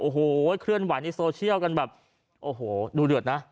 โอ้โหเคลื่อนไหวในโซเชียลกันแบบโอ้โหดูเดือดนะ